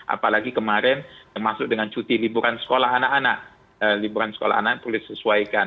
apalagi kemarin termasuk dengan cuti liburan sekolah anak anak liburan sekolah anak perlu disesuaikan